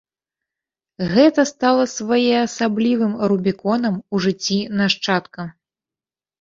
Гэта стала своеасаблівым рубіконам у жыцці нашчадка.